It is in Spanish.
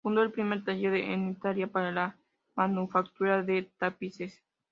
Fundó el primer taller en Italia para la manufactura de tapices.